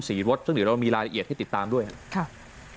สีรอดซึ่งถึงเรามีรลาเหีียดให้ติดตามด้วยค่ะใน